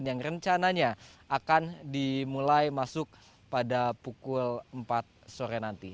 yang rencananya akan dimulai masuk pada pukul empat sore nanti